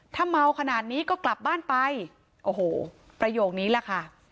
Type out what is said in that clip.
ถ้าเมาขนาดนี้ก็กลับบ้านไปโอ้โหประโยคนี้แหละค่ะ